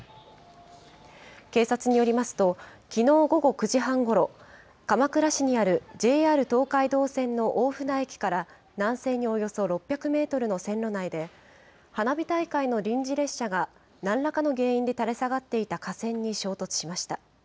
警察によりますと、きのう午後９時半ごろ、鎌倉市にあるＪＲ東海道線の大船駅から南西におよそ６００メートルの線路内で、花火大会の臨時列車が、なんらかの原因で垂れ下がっていた架線に衝突しました。